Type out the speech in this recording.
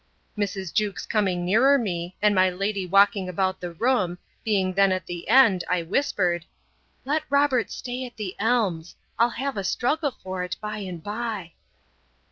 —Mrs. Jewkes coming nearer me, and my lady walking about the room, being then at the end, I whispered, Let Robert stay at the elms; I'll have a struggle for't by and by.